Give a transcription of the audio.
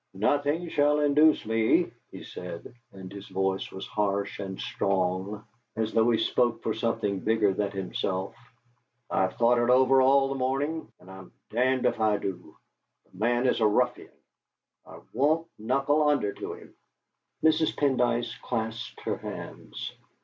"Nothing shall induce me!" he said, and his voice was harsh and strong, as though he spoke for something bigger than himself. "I've thought it over all the morning, and I'm d d if I do! The man is a ruffian. I won't knuckle under to him!" Mrs. Pendyce clasped her hands.